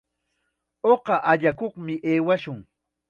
Uqa allakuqmi aywashun.